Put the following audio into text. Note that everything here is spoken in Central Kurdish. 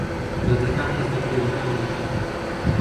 گەنجەکان حەز لە کتێبەکانی دەکەن.